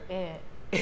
え？